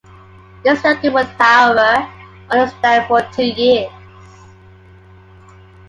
This record would, however, only stand for two years.